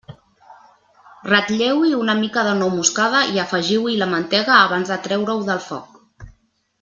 Ratlleu-hi una mica de nou moscada i afegiu-hi la mantega abans de treure-ho del foc.